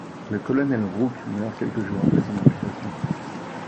Le colonel Rooke meurt quelques jours après son amputation.